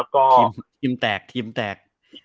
ก็ทีมแตกทีมแตก